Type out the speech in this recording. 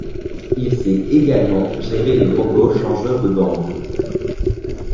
Il sait également gérer les robots changeurs de bandes.